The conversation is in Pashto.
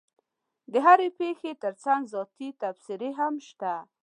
د هرې پېښې ترڅنګ ذاتي تبصرې هم شته.